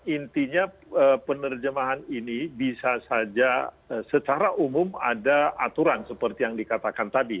intinya penerjemahan ini bisa saja secara umum ada aturan seperti yang dikatakan tadi